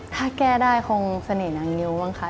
ถ้าแก้ได้คงเสน่หนางงิ้วบ้างคะ